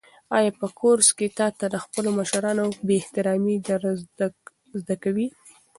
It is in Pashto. آیا په کورس کې تاته د خپلو مشرانو بې احترامي در زده کوي؟